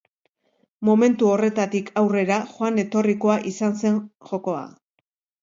Momentu horretatik aurrera joan etorrikoa izan zen jokoa.